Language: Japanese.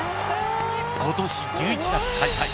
今年１１月開催